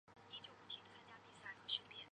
犬养孝。